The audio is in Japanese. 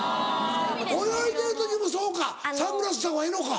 泳いでる時もそうかサングラスした方がええのか。